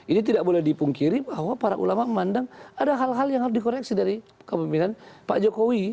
ini tidak boleh dipungkiri bahwa para ulama memandang ada hal hal yang harus dikoreksi dari kepemimpinan pak jokowi